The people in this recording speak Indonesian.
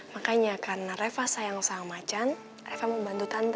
makanya karena reva sayang sama macan reva membantu tante